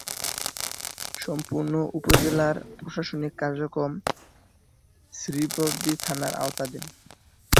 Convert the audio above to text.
সম্পূর্ণ উপজেলার প্রশাসনিক কার্যক্রম শ্রীবরদী থানার আওতাধীন।